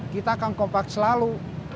kita kang kompak selalu